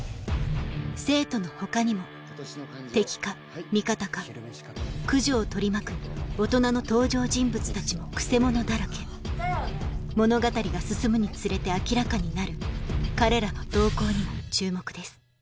生徒の他にも敵か味方か九条を取り巻く大人の登場人物たちもくせ者だらけ物語が進むにつれて明らかになる彼らの動向にも注目です